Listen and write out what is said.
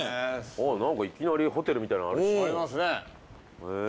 あっ何かいきなりホテルみたいのあるしありますねえ